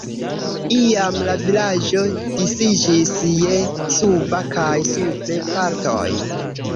Iam la vilaĝo disiĝis je suba kaj supre partoj.